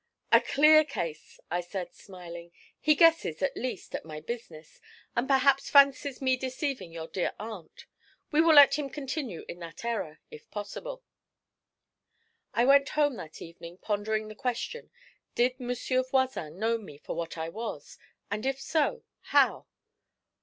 'A clear case,' I said, smiling. 'He guesses, at least, at my business, and perhaps fancies me deceiving your dear aunt. We will let him continue in that error, if possible.' I went home that evening pondering the question, Did Monsieur Voisin know me for what I was, and, if so, how?